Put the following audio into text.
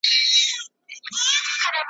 د ریا پر خلوتونو به یرغل وي ,